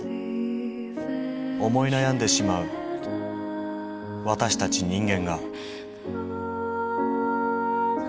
思い悩んでしまう私たち人間が。